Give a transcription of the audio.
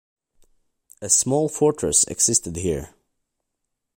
A small fortress existed here.